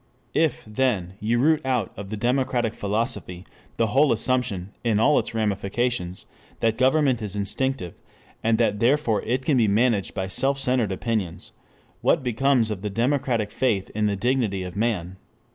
If, then, you root out of the democratic philosophy the whole assumption in all its ramifications that government is instinctive, and that therefore it can be managed by self centered opinions, what becomes of the democratic faith in the dignity of man?